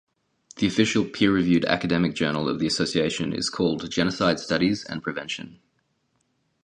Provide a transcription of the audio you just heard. The official peer-reviewed academic journal of the association is called "Genocide Studies and Prevention".